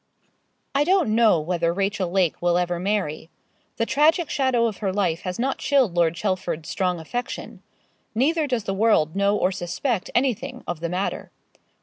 I don't know whether Rachel Lake will ever marry. The tragic shadow of her life has not chilled Lord Chelford's strong affection. Neither does the world know or suspect anything of the matter.